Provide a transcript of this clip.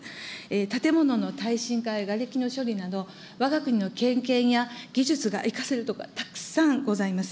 建物の耐震化やがれきの処理など、わが国の経験や技術が生かせるところがたくさんございます。